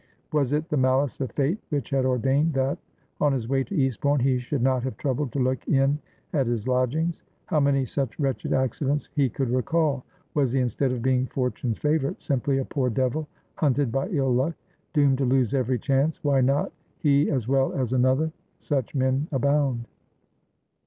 Was it the malice of fate which had ordained that, on his way to Eastbourne, he should not have troubled to look in at his lodgings? How many such wretched accidents he could recall! Was he, instead of being fortune's favourite, simply a poor devil hunted by ill luck, doomed to lose every chance? Why not he as well as another? Such men abound.